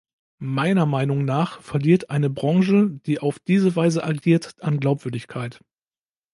Meiner Meinung nach verliert eine Branche, die auf diese Weise agiert, an Glaubwürdigkeit.